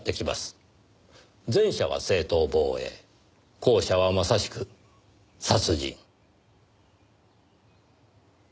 前者は正当防衛後者はまさしく殺人。